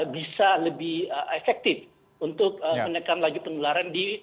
bisa lebih efektif untuk menekan laju penularan di